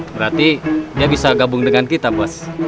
berarti dia bisa gabung dengan kita bos